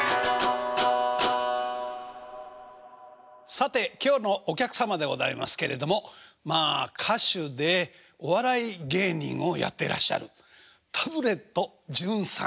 さて今日のお客様でございますけれどもまあ歌手でお笑い芸人をやっていらっしゃるタブレット純さん。